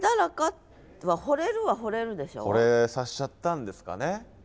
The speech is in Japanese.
ほれさせちゃったんですかね。